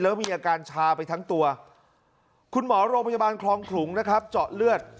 แล้วมีอาการชาไปทั้งตัวคุณหมอโรงพยาบาลคลองขลุงนะครับเจาะเลือด